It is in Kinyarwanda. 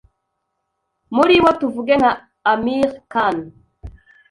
muri bo tuvuge nka Aamir Khan,